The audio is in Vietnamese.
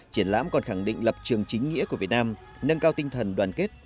triển lãm còn khẳng định lập trường chính nghĩa của việt nam nâng cao tinh thần đoàn kết